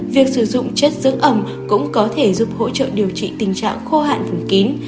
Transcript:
việc sử dụng chất dưỡng ẩm cũng có thể giúp hỗ trợ điều trị tình trạng khô hạn vùng kín